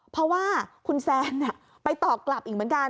เพราะว่าคุณแซนไปตอบกลับอีกเหมือนกัน